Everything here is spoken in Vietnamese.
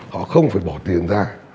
họ không phải bỏ tiền ra